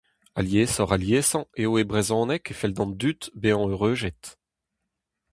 Aliesoc'h-aliesañ eo e brezhoneg e fell d'an dud bezañ euredet.